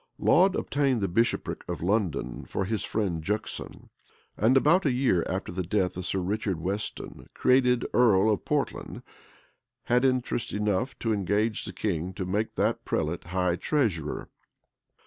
Laud obtained the bishopric of London for his friend Juxon: and, about a year after the death of Sir Richard Weston, created earl of Portland, had interest enough to engage the king to make that prelate high treasurer.